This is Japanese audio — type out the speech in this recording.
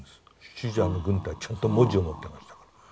シーザーの軍隊ちゃんと文字を持ってましたから。